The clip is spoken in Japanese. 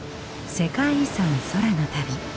「世界遺産空の旅」。